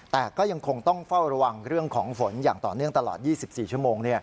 แต่ก็ยังคงต้องเฝ้าระวังเรื่องของฝนอย่างต่อเนื่องตลอด๒๔ชั่วโมง